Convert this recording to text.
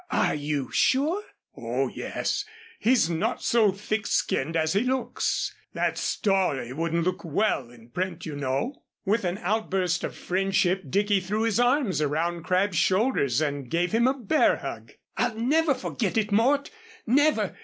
"Are you sure?" "Oh, yes. He's not so thick skinned as he looks. That story wouldn't look well in print, you know." With an outburst of friendship, Dicky threw his arms around Crabb's shoulders and gave him a bear hug. "I'll never forget it, Mort, never!